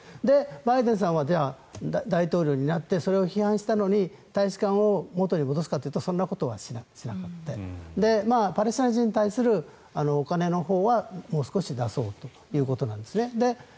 バイデンさんは大統領になってそれを批判したのに大使館を元に戻すかというとそんなことはしなくてパレスチナ人に対するお金のほうはもう少し出そうということなんですね。